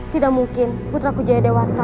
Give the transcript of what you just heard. tidak mungkin putraku jaya dewata